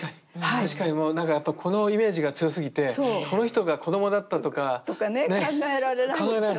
確かになんかやっぱこのイメージが強すぎてこの人が子供だったとか。とかね考えられないでしょ。